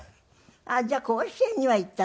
じゃあ甲子園には行ったっていう。